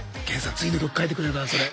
次の曲書いてくれるかなそれ。